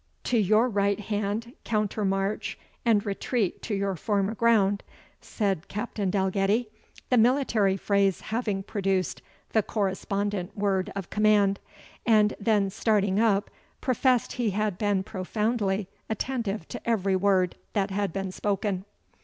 "To your right hand, counter march and retreat to your former ground," said Captain Dalgetty; the military phrase having produced the correspondent word of command; and then starting up, professed he had been profoundly atttentive to every word that had been spoken.